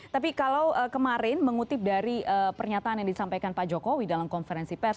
tapi kalau kemarin mengutip dari pernyataan yang disampaikan pak jokowi dalam konferensi pers